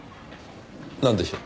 なんでしょう？